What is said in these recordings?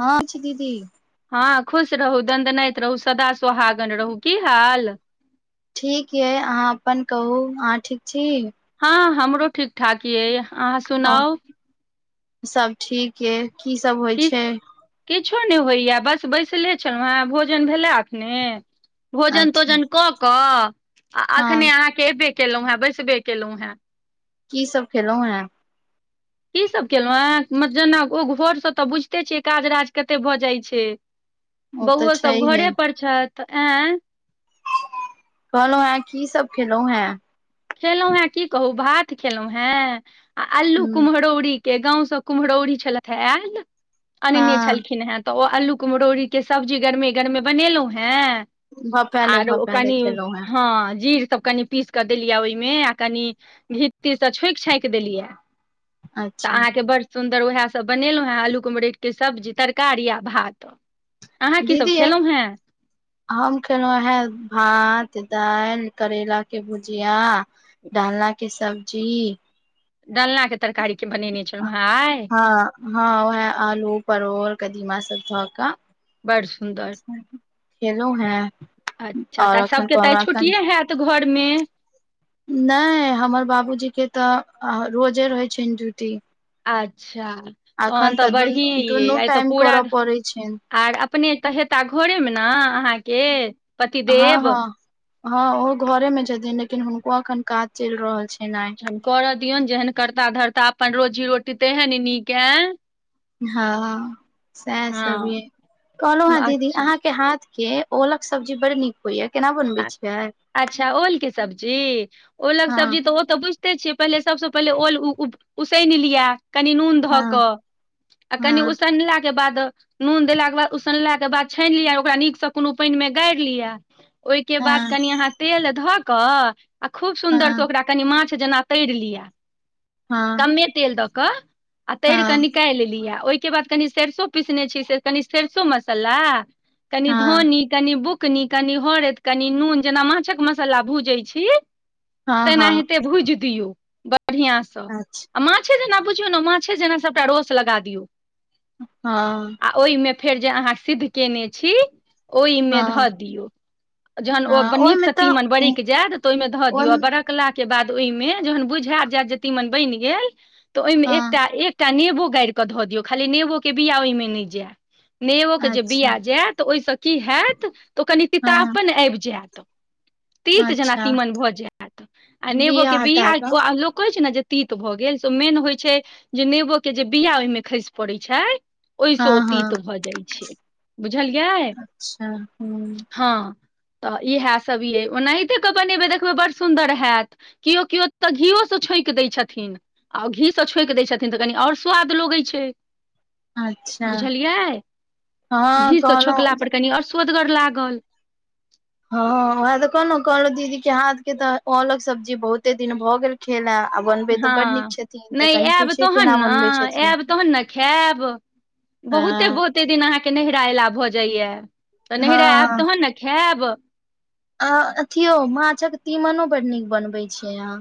हँ छी दीदी हँ खुश रहू ददनाइत रहू सदा सुोहागन रहू की हाल ठीक यए अहाँ अपन कहू अहाँ ठीक छी हँ हमरो ठीक ठाक यइ अहाँ सुनाउ सभ ठीक य कीसभ होइ कि छै। किछो नहि होइया बस बैसले छलहुँ हेँ भोजन भेला अखने भोजन अच्छा तोजन कऽ कऽ आ अखने हँ अहाँके एबे केलहु है बस बे अकेेलहु है कीसभ खेलहुँ हेँ की सब केलहुँ अहाँ जेना ओ घरसँ तऽ बुझिते छियै काज राज कते भऽ जाइत छै। ओ तऽ बौओ सभ छैहे घरे परर छथि आय कहलहु हैं की सब खेलौं हैं खेलहु हें की कहू भात खेलहु हें आ अल्लू हूँ कुम्हरौरी के गाँंव से कुम्हरौरीी छलथि आल अनने हँ छलखिन हेँ तऽ ओ आल्ूके मरौड़ीके सब्जी गरमे गरमे बनेलहुं हेँ भपैले आर भपैले ओकनी खेलहुं हें हँ जीर सभ कनि पीस कऽ देलियै ओहिमे आ कनि घितटीसँ छोंकि छाँकि देलियै तऽ अच्छा अहाँके बढ़ सुन्दर उएहसभ बनेलहुँ हेँ आलूके मरट के सब्जी तरकारी आ भात अहाँ की सब दीदी खेलहुँ हेँ हम खेलहु हें भात दालि करैला के भुजिया डालना के सब्जी डालनाे हँ हँ वै आलू परोर कदीमा सब ध का बड़ सुन्दर चेलो हैं अच्छा तऽ सभके तऽ छुट्टिे होयत घरमे नहि हमर बाबूजी के तऽ रोजे रहै छैनि जुति अच्छा तहन तऽ बढ़िए दुनू य दुनू आइ तऽ टाइम पूरा करऽ पड़ै छनि आर अपने तऽ हेता घरेमे ने अहाँके हँ पतिदेव हँ हँ ओहो घरे में छथिन लेकिन हुनको अखन काज चलि रहल छै। एखन करय दियौन जेहन करता धरता अपन रोजी रोटी तेहे ने नीक है हँ सएह सब हँ ये कहलहु हँं दीदी अच्छा अहाँके हाथ के ओऔलक सब्जी बड़ी नीक होईए अच्छा ओल के सब्जी ओलक हँ सब्जी तऽ ओ तऽ बुझ ते छिय पहिले सबसँ पहिले ओल उसैन लियै कनी नून ध क हँ आ कनि हँ उसनला के बाद नून देलाक के बाद उसनलाक के बाद छानि लिय ओकरा नीकसँ कोनो पानि मे गाारि लियिया ओहि के बाद हँ कनि अहाँ तेल ध क आ खूब सुंदर से हँ ओकरा कनि माछ जेना त लिय हँ कमे तेल दऽ क आ तर क हँ निकालि लिय ओहिके बाद कनि सरसो पीसने छी से कनी सरसो मसाला कनि हँ धोनी कनि बुक कनि कनि हरद कनि नून जेना माछक मसाला भूजैत छी हँ तना हँ हेते भुइज दियो बढ़िआँसँ अच्छा आ माछे जेना बुझियौ ने माछे जेना सभटा रोस लगा दियौ हँ आ ओहिमे फेर जे अहाँ सिद्ध कयने छी ओहिमे हँ धऽ दियौ जहन ओ हँ नीक ओहिमे से तऽ तीमन बरकि जायत तऽ ओहिमे धऽ दियौ आ बरकला के बाद ओहिमे जखन बुझाय जायत जे तीमन बनि गेल तऽ ओहिमे हँ एकटा एकटा नेब बो गार केऽ धऽ दियौ खाली नेबो के बिया ओहिमे नहि जाय नेबो के जे अच्छा बिया जाय तऽ ओहिसँ की हयत तऽ ओ कनि तिताब हँ पन आबि जायत तीत जेना अच्छा तीमन भऽ जायत आ नेबो के हटा बिया कऽ लोक कहैत छै ने जे तीत भऽ गेल से मेन होइ छै जे नेबो के जे बिया ओहि मे खसि पड़े छै। ओहिसँ ओ हँ हँ तीत भऽ जाइत छै बुझलियै अच्छा ह्म [inaudible] तऽ इएह सब ये ओनाहिते के बनेबे देखबे बड़ सुदर हयत कियो कियो त घीयो से छो दै छथिन आ घीसँ छोकि दै छथिन तऽ कनि आओर स्वाद लगै छै। अच्छा बुझलियै हँ घी स कहलहुँ छोकला पर कनि आओर स्वदगर लागल हँ औहे तऽ कहलहु कहलहु दीदी के हाथ के तऽ औलक सब्जी बहुते दिन भऽ गेल खेला आ बनबै तऽ बड नीक हँ छथिन तऽ नहि कनि आयब पूछिये तहन केना ने बनबै छथिन आयब तहन ने खायब बहुते हँ बहुते दिन अहाँके नहि राला भऽ जाइया तऽ नहिरा आयब तहन ने खायब आ अथियो माछक तीमनो बड नीक बनबैत छियै अहाँ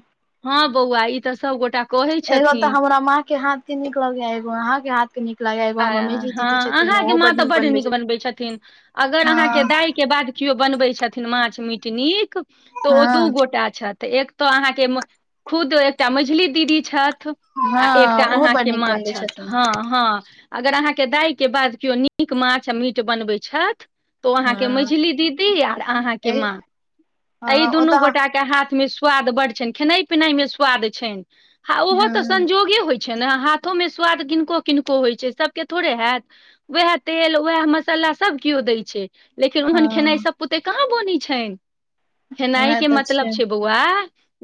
हँ बौआ ई तऽ सभगोटा कहै एगो तऽ छथिन हमरा माँ के हाथ के निक लगैया एगो के हाथ के नीक लागैया एगो हमर मेघी दीदी छथिन ओहो हहाँाँ बड तऽ ब नीक बनबै छथिन अगर अहाँके हँ दाय के बाद केओ बनबै छथिन माछ मीट नीक तऽ ओ हँ दू गोटा छथि तऽ एक तो अहाँके खुद एकटा मझली दीदी छथि आ हँ एकटा ओहो बड़ अहाँके नीक माँ बनबै छथि छथिन हँ हँ अगर अहाँके दाइ के बाद केओ नीक माछ आ मीट बनबै छथि तो अहाँके हँ मझली दीदी आर अहाँके माँ ई हँ दुनू ओतऽ गोटा के हाथ मे स्वाद बड्ड छनि खेनाइ पिनाई में स्वाद छनि आ ओहो तऽ हँ संजोगे होइ छै। छै ने हाथो मे स्वाद किनको किनको होइ छै। सब के थोड़े हयत वएह तेल उएह मसाला सब केओ दै छै। लेकिन ओहन खेनाइ हँ सभ बुते कहाँ बनै छय खेनाइ उएह के तऽ मतलब छै बौआ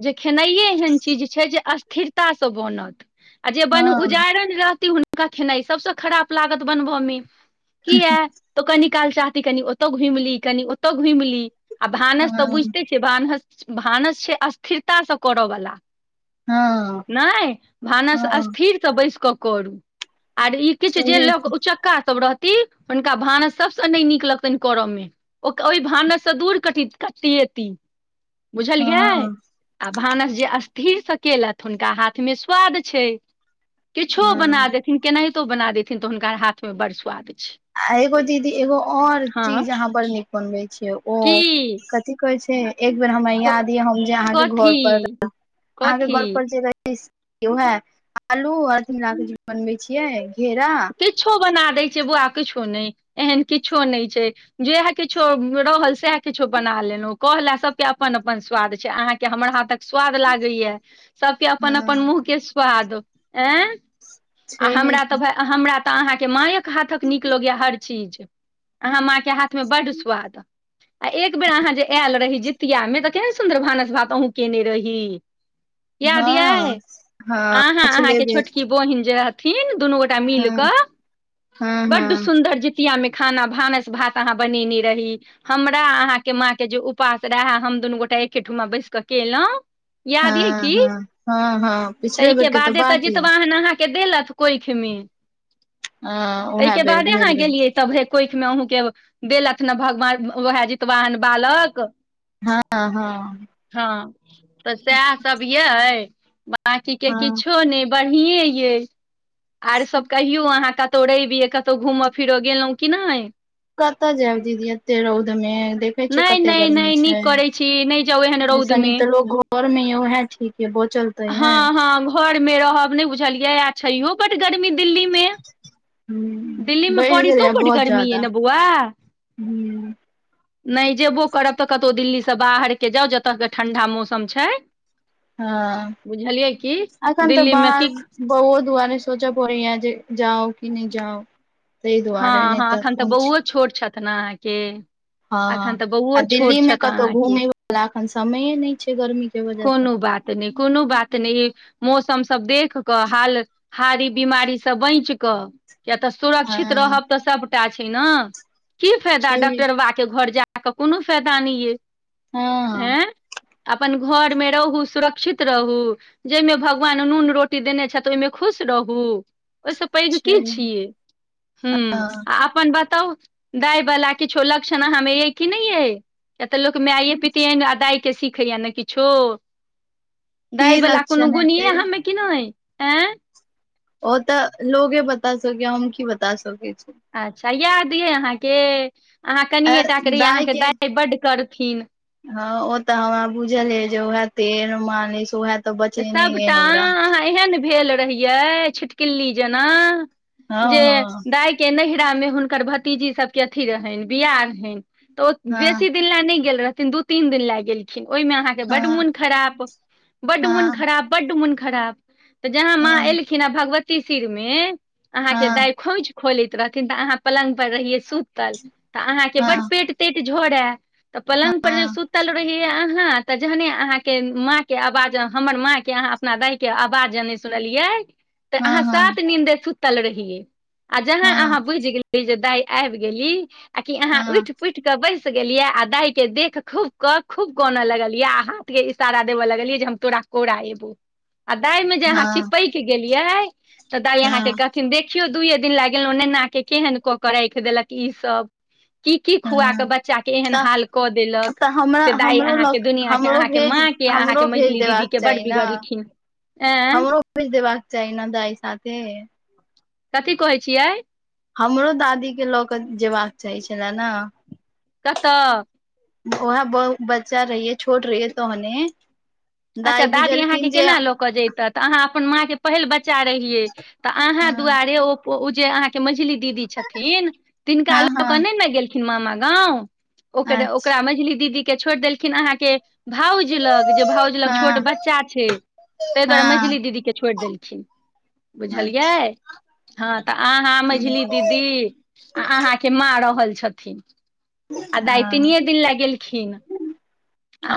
जे खेनाइए एहन चीज छै। जे स्थिरतासँ बनत आ जे हँ बन उजारन रहती हुनका खेनाइ सभसँ खराप लागत बनबय मे की य तो कनी काल चाहती कनि ओतौ घुमि ली कनि ओतौ घुमि ली आ भानस तऽ हँ बुझिते छियै भानस भानस छै स्थिरताास से करय बला हँ नहि भानस हँ स्थिर तऽ बैस कऽ करू आर ई किछु जे छैहे ल की के उचक्का सब रहत हुनका भानस सबस नहि नीक लगतनि करऽ मे ओहि भानस से दूर कटित कटतियै ती बुझलिय हँ आ भानस जे स्थिरसँ केलथि हुनका हाथ मे स्वाद छै। किछो बना हँ देथिन केनाहितो बना देथिन तऽ हुनका हाथमे बड़ स्वाद छै एगो दीदी एगो और हँ चीज अहाँ बर नीक बनबै छिय ओ की कथी कहै छै। एक बेर हमरा याद य हम जे अहाँ के कथी घर पर अहाँ के कथी घर पर जे रहि उह आलू अर बनबे छियै घेरा किछो बना द दै छै। बौआ किछो नहि एहन किछो नहि छै। जह किछो रहल सह किछो बना लेलहु कहले सबके अपन अपन स्वाद छै अहाँके हमर हाथक स्वाद लागैया सबके अपन हँ अपन मुँह के स्वाद अऐ आ छैहे हमरा तऽ की भ हमरा तऽ अहाँके मायक हाथक नीक लगैए हर र आ हमरा हाथ में बर स्वाद जितिया में तऽ केना सुन्दर भानस भात अहुूँ केने रही याद यए हँ हँ अहाँ पिछले अहाँके बेर छोटकी बोहिन रहथिन दुनू गोटा हँ मिलके हँ बडड हँ सुन्दर ज िया मे खाना भानस भात अहाँ बनेने रही हमरा अहाँ के माँ के जे उपास रहे दुनू गोटा एकेठूमा बैस कऽ केलँ याद य हँ क हँ हँ हँ पिछले बेर ताहिके के बादे तऽ बात य जितबा अहाँ त ब गेल हँ उएह बेर भेल रहे त के देलथि ने भगवान वएह जितवाहन बालक हँ हँ हँ तऽ सएह सब ये बाँकीके हँ किछो नहि बढ़िए यइ आर सब कहियौ अहाँ क तोड़े भी कतहु घूमय फिरऽ गेलहुं किी नहि कतऽ जायब दीदी एते रौदमे देखै छियै नहि कते नहि गर्मी नहि छै नीक करै छी नहि जाउ एहन रौद ऐसा मे न तऽ लोग घर में यहै ठीक है बहुत चलत तऽ हँ हँ घरमे रहब नहि बुझलियै आ छैहो बड गर्मी दिल्लीमे ह दिल्लीमे बढ़ि पड़ी तू गेलै बड बहुत गर्मी है जादा ने बुआ ह नहि जेबो करब तऽ कतहु दिल्लीसँ बाहरके जाउ जतयके ठं्डा मौसम छै हँ बुझलियै की आखन तऽ दिल्ली मे बर की बहु दआ सोचा पया जे जाउ कि नहि जाउ ताहि हँ दुआरे नहि हँ एखन तऽ कोन छै बौओ छोट छथि ने अहाँके एखन हँ तऽ आ बौओ छोट दिल्लीमे छथि कतहु अहाँके घुमयवला एखन समय नहि छै। गर्मीे वजह से कोनो बात नहि कोनो बात नहि मौसम सब देख कऽ हाल हारी बीमारीसँ बच कऽ किया तऽ सुरक्षित हँ रहब तऽ सबटा छै ने की फायदा छै डॉक्टर बाबा के घर जा आ कऽ कोनो फायदा नहि यइ हँ आँ अपन घर में रहू सुरक्षित रहू जाहिमे भगवान नून रोटी देने छथि ओहिमें खुश रह ओहिसँ पैघ छै क छियै हँ ह बताउ गाय वला किछो लक्षण हमे य कि नहि यइ या तऽ लोक माये पित दााय के सीखैया ने किछो की गाायवला को लक्षण गनिय हेतै हमे कि नहि एं ओ तऽ लोगे बता सकै हम की बता सकै छी अच्छा याद यऽ अहाँके अहाँ आ कनिएे टा करहि दाय अहाँके के दाइ बड्ड कर हँ ओ तऽ हमरा बुझल जे उएह तेल मालिश उएह तऽ बचेने य सबटा हमरा अह एहन भेल नई छिटकिली जेना हँ जे दाई के ने मे हुनकर भतीजी सब के अथी रहनि बिियाह रहै तऽ ओ हँ बेसी दिन ला नहि गेल रहथि दू तीन दिन लाग गेलखिन ओहिमे अहाँके बड हँ मोन खराब बड मोन हँ खराब बड मन खराब तऽ जहाँ माँ हँ एलखिन ह भगवती शिर मे अहाँके हँ दाय खोछि खोलैत रहथिन तऽ अहाँ पलङ्ग पर रहियै सुतल तऽ अहाँके बड्ड हँ पेट तेट झड़ै तऽ पल्ंग पर जे हँ सुतल रहहिय अहाँ तऽ जहने अहाँ के माँ के आवाज हमर माँ के अहाँ अपना दइ के आवाज सुनलियै तऽ अहाँ हँ हँ सात द ल रहियै आ जहाँ हँ अहाँ बुझि गेलिय जे दाय आबि गेली आी हँ अहाँ हँ उठि पुठ कऽ बैस गेलियै आ दाहि के देख खूब क खूब कन लगलियै आ हाथ के इशारा देबे लगलियै जे हम तोरा कोरा एबो आ तय में जे अहाँ हँ चिपक गेलियै तऽ दाइ अहाँके हँ कहथिन देखियौ दुइऐ दिन ला गेलो नेना के केहन कऽ के राखि देलक ई सब की की खुआ कऽ हँ बच्चा के एहन तऽ हाल कऽ देलक तऽ हमरा से दाइ हमरो अहाँके लोग दुनिया के हमरो अहाँके भेज माँ के अहाँके हमरो भेज देली मझली दीदी देबाक के बड चाही ने बिगड़लखिन एं हमरो खुछ देबाक चाही ने दाइ साथे कथी कहै छियै हमरो दादी के लऽ कऽ जयबाक चाही छलए ने कतऽ ऊहा बउ बच्चा रहीय छोट रहिए तहने अच्छा दाइ दादी अहाँके बुझलखिन जे केना लऽ कऽ जतै तऽ अहाँ अपन माँँ पहिल बच्चा चा रहियै तऽ अहाँ हँ दुआरे ओ ओ जे अहाँके मझली दीदी छथिन तिनका हँ लऽ कऽ हँ नई न गेलखिन मामा गाँव ओकर अच्छा ओकरा मझली दीदी के छोड़ि देलखिन अहाँके भाउज लग जे भाज ल छोट हँ बच्चा छै। तै दुआरे हँ मझली दीदी के छोड़ि देलखिन बुझलियै अच्छा हँ तऽ अहाँ मझली दीदी आ अहाँके माँ रहल छथिन आ दाइ हँ त्तिनीये दिन ला गेल खिन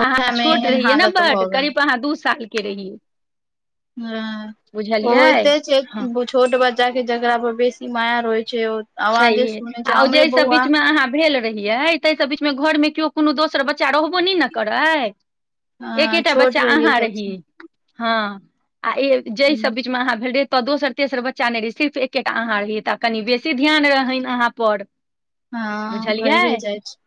ओएह मे छोट एहन रहियै ने हालत भऽ बड गेल करीब अहाँ दू सालके रहियै ह ओ बुझलियै होते छै। हँ छोट बच्चा के जकरा पर बेसी माया रहै छै आवाजे छैे। सुनै छै आ हमरे जा सब बौआ बीचमे अहाँ भेल रहियै तई सब बीचमे घरमे केओ कोनो दोसर बच्चा रहबो नइ न करै हँ एकेटा छोट बच्चा रहियै अहाँ रहिय सबसँ हँ आ जेहि सब बच मे अहाँ भेल रहे तो दोसर तेसर बच्चा नइ रहे सिर्फ एकेटा अहाँ रहिय तऽ कनि बेस से ध्यान रहनि अहाँ पर हँ भइए बुझलियै जाइ छै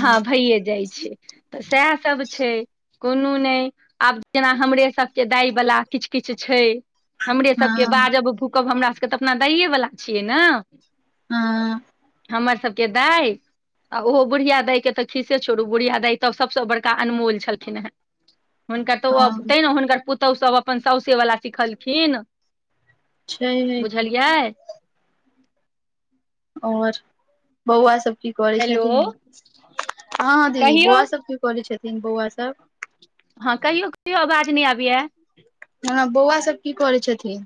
हँ भइए जाइ छै। तऽ सएह सब छै। कोनो नइ आब जेना हमरे सबके दाइबला किछ किछ छै। हमरे सबके हँ बाजब भूकब हमरा सबके तऽ अपना दइए वला छियै ने हँ हमर सबके दाइ ओहो बुढ़िया दाइकेँ तऽ खीसे छोड़ू बुढ़िया दाइ तऽ सभसँ बड़का अनमोल छलखिन हेँ हुनकर तऽ हँ तैने हुनकर पुतहु सभ अपन साऊ से बला सिखल खिन छै कि बुझलियै ओर बौआ सब की करै हेलो छथिन हँ दीदी कहियौ बौआ सब की करै छथिन बौआ सब हँ कहियो कहियो आवाज नइ आबैया बौआ सब की करै छथिन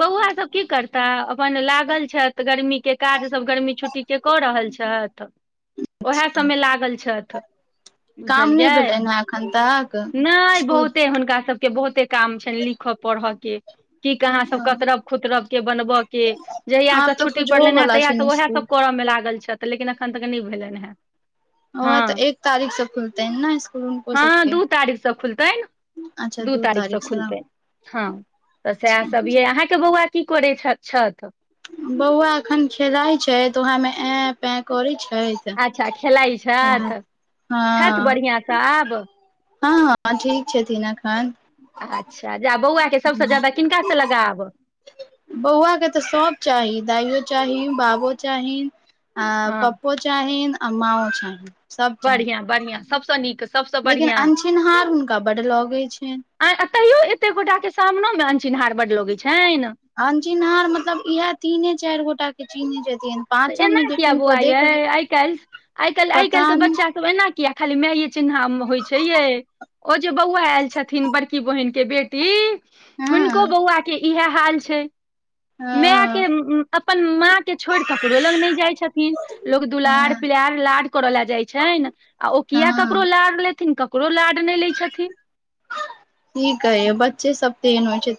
बौआ सभ की करताह अपन लागल छथि गर्मीके काजसभ गर्मी छुट्टीके कऽ रहल छथि ओएह सभमे लागल छथि काम नहि भेलनि बुझलियै हेँ एखन तक नइ स्कुल बहुते हुनका सब के बहुते काम छ लिखऽ पढ़ के की कहाँ सब कतरब खुतरब के बनबय के जहिया से आब तऽ छुट्टी खुजहो पड़लनि हे वाला तहिया सब छनि ओह सब स्कुल करे मे लागल छथि ऽ लेकिन एखन तक नइ भेलनि है ओह तऽ हँ एक तारीख से खुलतै ने स्कुल हुनको हँ सबके दू तारीख से खुलतैन दू तारीख से खुलतै हँ तऽ सेहा अच्छा सब अहाँ अहाँ के बौआ की करै छथि बौआ एखन खेलइ छै तऽ वहामे ऐन पे करै छी त अच्छा खेलाइ छथि हँ छथि बढ़िआं से [unintelligible] [unintelligible] आब हँ हँ ठीक छथिन एखन अच्छा बौआ के सबसँ जा्यादा किनका से लगाव बौआ के तऽ सब चाही दइो चाही बाबो चाहीन अ हँ पप्पो चाहीन अ मओ चाही बढ़ििया बढ़िआ सब स नीक सब स लेकिन बढ़िया अनचिन्हार हुनका बड्ड लगै छनि आ एतहियो एत गोटा के सामने में ह चिहार मतलब इएह तीने चारि गोटा के चीन्ने तऽ एना किया बौआ यइ आइ काल्हि आइ काल्हि आइ पता काल्हि के नहि बच्चा सब एना कििया खाली मेइए चिन्हा होइ छै। ये ओ जे बौआ आयल छथिन बड़की बहिनके बेटी हुनको हँ बौआ के इएह हाल छै। माय हँ के अपन माँ के छोड़ कऽ ककरो लग नहि जाइ छथिन लोग दुलार हँ पिलार लाड करऽ ले जाइ छ आ ओ किया ककरो ोलथिनक ठीक ह य बच्चे सब तन हो छै। त